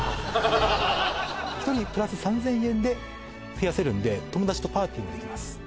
１人プラス３０００円で増やせるんで友達とパーティーもできます